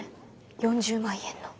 ４０万円の。